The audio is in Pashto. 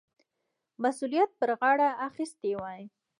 مسؤلیت پر غاړه اخیستی وای.